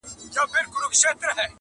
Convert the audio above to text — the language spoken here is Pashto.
پوه نه سوم چي څنګه مي جانان راسره وژړل٫